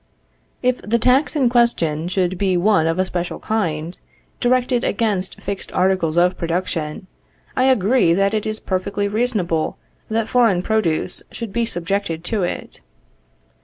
If the tax in question should be one of a special kind, directed against fixed articles of production, I agree that it is perfectly reasonable that foreign produce should be subjected to it.